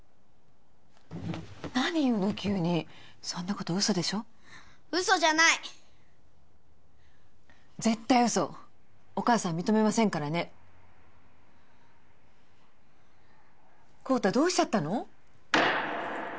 何言うの急にそんなこと嘘でしょ嘘じゃない絶対嘘お母さん認めませんからね孝多どうしちゃったの？